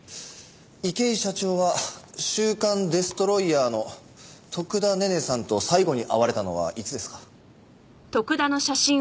池井社長は『週刊デストロイヤー』の徳田寧々さんと最後に会われたのはいつですか？